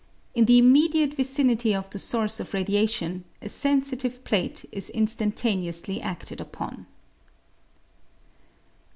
In the immediate vicinity of the source of radiation, a sensitive plate is instantaneously aded upon.